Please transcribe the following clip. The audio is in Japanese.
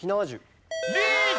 リーチ！